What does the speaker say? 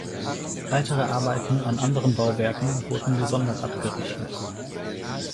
Weitere Arbeiten an anderen Bauwerken wurden gesondert abgerechnet.